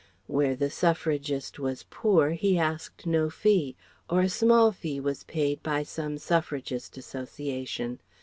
Where the Suffragist was poor he asked no fee, or a small fee was paid by some Suffragist Association.